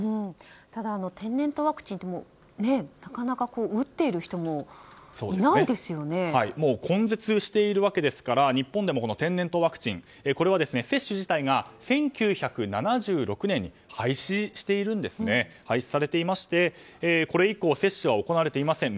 ただ、天然痘ワクチンってなかなか打っている人ももう根絶しているわけなので日本でも天然痘ワクチンこれは接種自体が１９７６年に廃止されていましてこれ以降接種は行われていません。